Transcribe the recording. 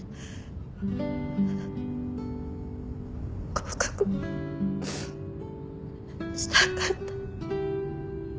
合格したかった。